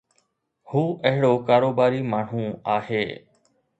هو اهڙو ڪاروباري ماڻهو آهي.